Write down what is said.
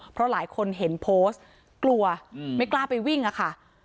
เพราะหลายคนเห็นโพสต์กลัวไม่กล้าไปวิ่งอะค่ะ